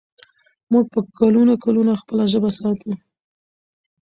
موږ به کلونه کلونه خپله ژبه ساتو.